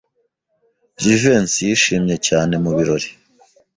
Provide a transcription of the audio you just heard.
Jivency yishimye cyane mubirori.